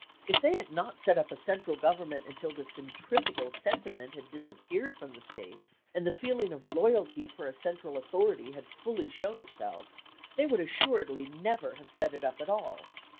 If they had not set up a central government until the centrifugal sentiment had disappeared from the States, and the feeling of loyalty for a central authority had fully shown itself, they would assuredly never have set it up at all.